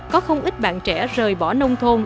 có không ít bạn trẻ rời bỏ nông thôn